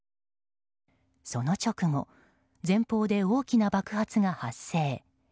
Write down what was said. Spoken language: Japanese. その直後前方で大きな爆発が発生。